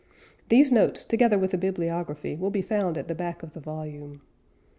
These notes together with a bibliography will be found at the back of the volume.